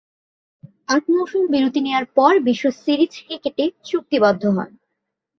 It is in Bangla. এক মৌসুম বিরতি নেয়ার পর বিশ্ব সিরিজ ক্রিকেটে চুক্তিবদ্ধ হন।